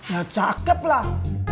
ya cakep lah